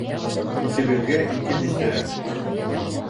Икебеҙгә ике бисә!